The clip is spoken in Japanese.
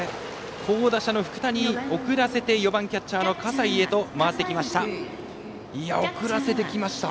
好打者の福谷に送らせて４番キャッチャーの笠井へと回ってきました。